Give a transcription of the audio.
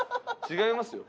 違いますよ。